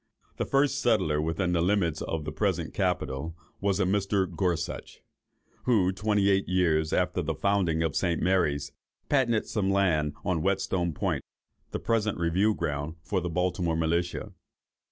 The first settler within the limits of the present capital, was a Mr. Gorsuch, who, twenty eight years after the founding of St. Mary's, patented some land on Whetstone Point, the present review ground for the Baltimore militia.